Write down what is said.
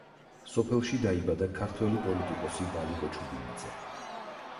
სოფელში დაიბადა ქართველი პოლიტიკოსი ვალიკო ჩუბინიძე.